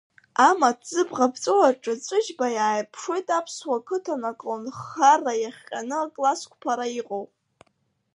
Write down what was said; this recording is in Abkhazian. Амаҭ зыбӷа ԥҵәоу аҿы Ҵәыџьба иааирԥшуеит аԥсуа қыҭан аколнхара иахҟьаны акласс қәԥара иҟоу.